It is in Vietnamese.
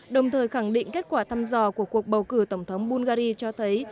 đồng thời khẳng định kết quả thăm dò của cuộc bầu cử tổng thống bungary cho thấy